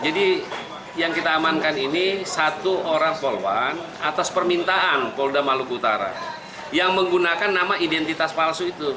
jadi yang kita amankan ini satu orang poluan atas permintaan polda maluku utara yang menggunakan nama identitas palsu itu